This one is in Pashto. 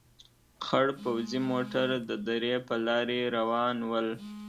خړ پوځي موټر د درې په لار روان ول.